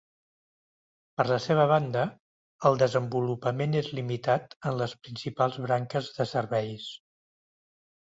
Per la seva banda, el desenvolupament és limitat en les principals branques de serveis.